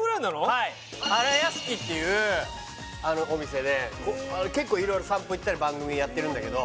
はい新屋敷っていうお店で結構色々散歩行ったり番組やってるんだけど